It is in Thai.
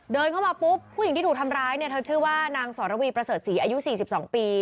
เดินเข้ามาปุ๊บผู้หญิงที่ถูกทำร้ายเนี่ยเธอชื่อว่านางสรวีประเสริฐศรีอายุ๔๒ปี